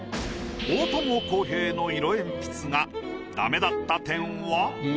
大友康平の色鉛筆画ダメだった点は？